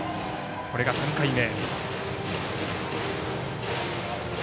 これが３回目。